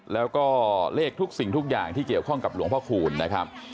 แล้วก็เลขทุกสิ่งทุกอย่างที่เกี่ยวข้องกับหลวงพ่อคูณนะครับ